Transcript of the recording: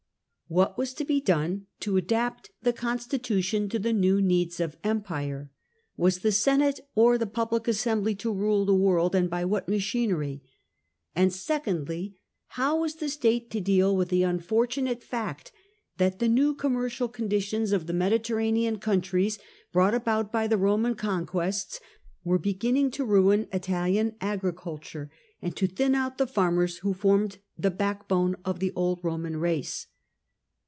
What was to be done to adapt the constitution to the new needs of empire ?— Was the Senate or the Public Assembly to rule the world, and by what machinery ? And, secondly, how was the state to deal with the unfortunate fact that the new commercial conditions of the Mediterranean countries, brought about by the Eoman conquests, were beginning to ruin Italian agriculture and to thin out the farmers who formed the backbone of the old Roman race.